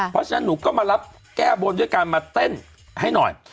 เพราะฉะนั้นหนูก็มารับแก้บนด้วยการมาเต้นให้หน่อย